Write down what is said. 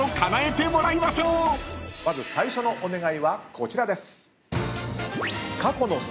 まず最初のお願いはこちらです。